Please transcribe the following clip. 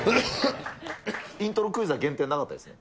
イントロクイズは減点なかったですか。